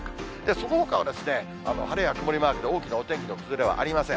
そのほかは晴れや曇りマークで大きなお天気の崩れはありません。